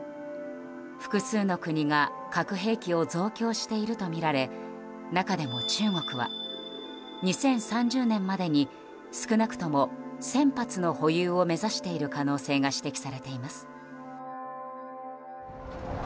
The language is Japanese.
複数の国が核兵器を増強しているとみられ中でも中国は２０３０年までに少なくとも１０００発の保有を目指している可能性が指摘されています。